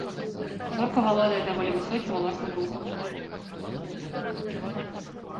Зорка валодае даволі высокім уласным рухам.